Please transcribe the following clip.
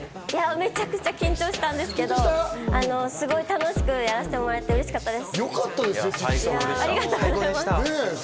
めちゃくちゃ緊張したんですけど、すごく楽しくやらせてもらえて嬉しかったです。